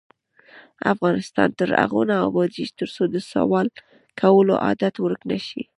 افغانستان تر هغو نه ابادیږي، ترڅو د سوال کولو عادت ورک نشي.